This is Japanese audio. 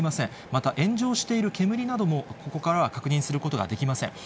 また炎上している煙なども、ここからは確認することができません。